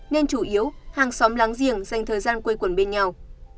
nên chủ yếu hàng xóm láng giềng dành thời gian quây quần bên nhau